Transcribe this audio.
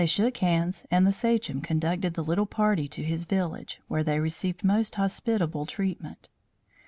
They shook hands and the sachem conducted the little party to his village, where they received most hospitable treatment.